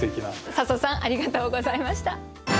笹さんありがとうございました。